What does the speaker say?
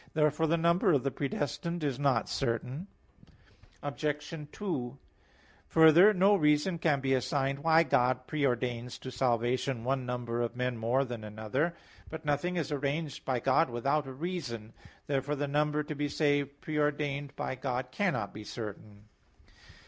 Therefore the number of the predestined is not certain. Obj. 2: Further, no reason can be assigned why God pre ordains to salvation one number of men more than another. But nothing is arranged by God without a reason. Therefore the number to be saved pre ordained by God cannot be certain.